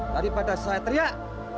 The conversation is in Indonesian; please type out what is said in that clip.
daripada saya teriak